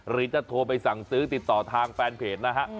หรือจะโทรไปสั่งซื้อติดต่อทางแฟนเพจนะฮะ